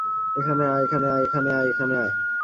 এখানে আয়, এখানে আয়, এখানে আয়, এখানে আয়।